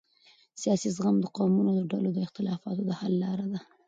سیاسي زغم د قومونو او ډلو د اختلافاتو د حل لاره ده